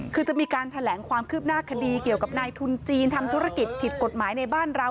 คือจะมีการแถลงความคืบหน้าคดีเกี่ยวกับนายทุนจีนทำธุรกิจผิดกฎหมายในบ้านเรา